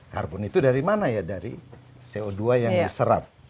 karbon itu dari mana ya dari co dua yang diserap